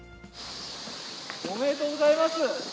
おめでとうございます。